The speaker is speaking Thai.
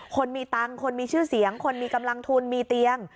คนมีตังค์คนมีชื่อเสียงคนมีกำลังทุนมีเตียง